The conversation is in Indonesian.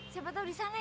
siapa tau disana ya